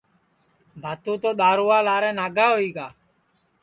بھاتُو تو دؔارووا ناگا ہوئی گا